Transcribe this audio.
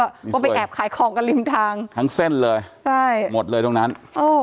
ก็ไปแอบขายของกันริมทางทั้งเส้นเลยใช่หมดเลยตรงนั้นโอ้